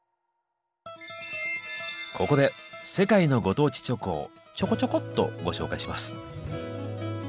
ここで世界のご当地チョコをちょこちょこっとご紹介します。